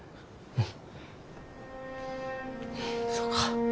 うん！